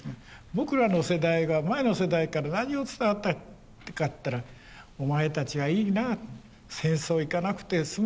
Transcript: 僕らの世代が前の世代から何を伝わったかって言ったらお前たちはいいな戦争行かなくてすむもんな。